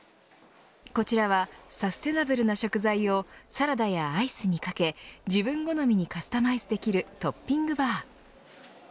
こちらはサステナブルな食材をサラダやアイスにかけ自分好みにカスタマイズできるトッピングバー。